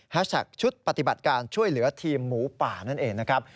แท็กชุดปฏิบัติการช่วยเหลือทีมหมูป่านั่นเองนะครับ